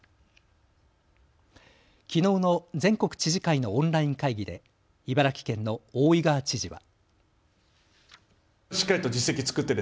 きのうの全国知事会のオンライン会議で茨城県の大井川知事は。